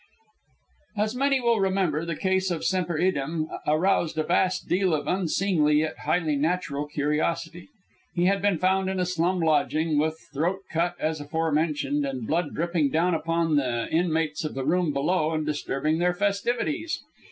As many will remember, the case of Semper Idem aroused a vast deal of unseemly yet highly natural curiosity. He had been found in a slum lodging, with throat cut as aforementioned, and blood dripping down upon the inmates of the room below and disturbing their festivities.